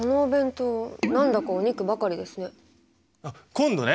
今度ね